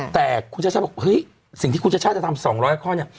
แต่คุณชช่าบอกเฮ้ยสิ่งที่คุณชช่าจะทำ๒๐๐ข้อเนี่ย